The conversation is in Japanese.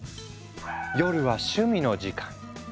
夜は趣味の時間。